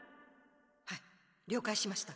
はい了解しました。